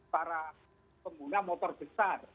para pengguna motor besar